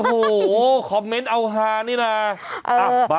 โอ้โหคอมเมนต์เอาฮานี่นะ